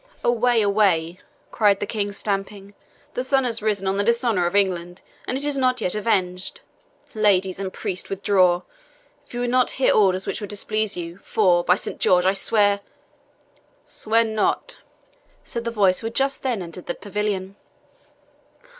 "Away, away," cried the King, stamping; "the sun has risen on the dishonour of England, and it is not yet avenged. Ladies and priest, withdraw, if you would not hear orders which would displease you; for, by St. George, I swear " "Swear NOT!" said the voice of one who had just then entered the pavilion.